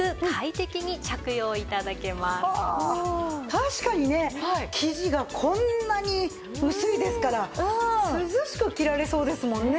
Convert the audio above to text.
確かにね生地がこんなに薄いですから涼しく着られそうですもんね。